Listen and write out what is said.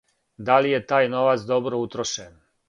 Да ли је тај новац добро утрошен?